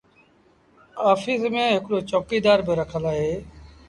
آڦيٚس ميݩ هڪڙو چوڪيٚدآر با رکل اهي۔